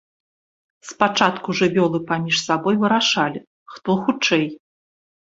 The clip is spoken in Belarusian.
Спачатку жывёлы паміж сабой вырашалі, хто хутчэй.